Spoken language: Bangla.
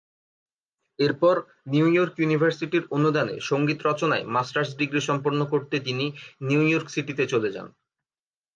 এরপর নিউইয়র্ক ইউনিভার্সিটির অনুদানে সঙ্গীত রচনায় মাস্টার্স ডিগ্রী সম্পন্ন করতে তিনি নিউইয়র্ক সিটিতে চলে যান।